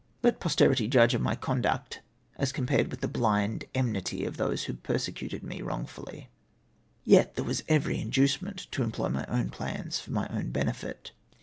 Let posterity judge of my conduct, as compared with the bhnd enmity of those who persecuted me wrong fully. Yet there was every inducement to employ my own plans for my own benefit.